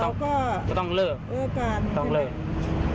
จะต้องเลือกการเลือก